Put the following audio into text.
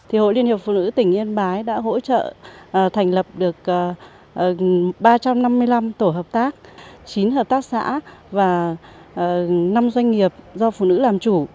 thì hội liên hiệp phụ nữ tỉnh yên bái đã hỗ trợ thành lập được ba trăm năm mươi năm tổ hợp tác chín hợp tác xã và năm doanh nghiệp do phụ nữ làm chủ